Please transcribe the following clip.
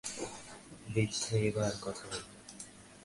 বৃদ্ধা এবার কথা বললেন।